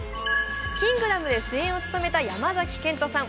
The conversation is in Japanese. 「キングダム」で主演を務めた山崎賢人さん。